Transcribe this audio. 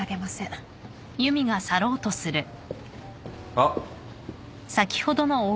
あっ。